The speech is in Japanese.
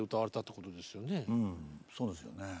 うんそうですよね。